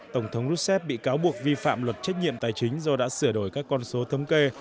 tổng thống ruscep bị cáo buộc vi phạm luật trách nhiệm tài chính do đã sửa đổi các con số thống kê